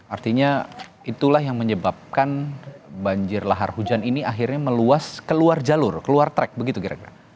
artinya itulah yang menyebabkan banjir lahar hujan ini akhirnya meluas keluar jalur keluar trek begitu kira kira